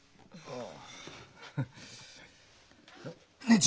ああ。